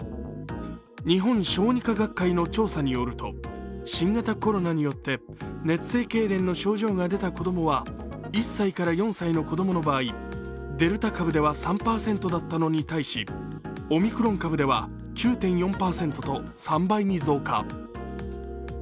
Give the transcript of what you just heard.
日本小児科学会の調査によると、新型コロナによって熱性けいれんの症状が出た子供は１歳から４歳の子供の場合デルタ株では３％だったのに対しオミクロン株では９．４％と３倍に増加。